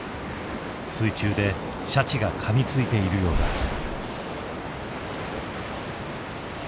水中でシャチがかみついているようだ。